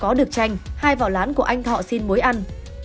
có được chanh hai vào lán của anh thọ xin muối ăn